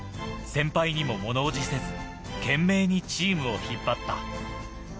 先輩にも物怖じせず、懸命にチームを引っ張った。